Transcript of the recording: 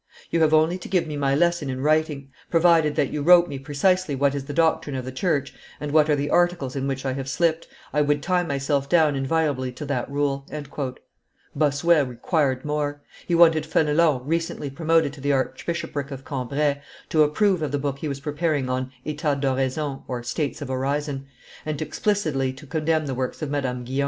You have only to give me my lesson in writing; provided that you wrote me precisely what is the doctrine of the church, and what are the articles in which I have slipped, I would tie myself down inviolably to that rule." Bossuet required more; he wanted Fenelon, recently promoted to the Archbishopric of Cambrai, to approve of the book he was preparing on Etats d'Oraison (States of Orison), and explicitly to condemn the works of Madame Guyon.